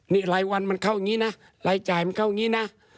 นี่รายวันมันเข้าอย่างนี้นะรายจ่ายมันเข้าอย่างนี้นะ